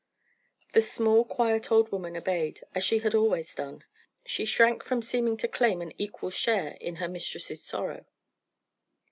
The small quiet old woman obeyed, as she had always done. She shrank from seeming to claim an equal's share in her mistress's sorrow.